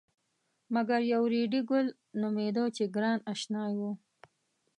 مګر یو ریډي ګل نومېده چې ګران اشنای و.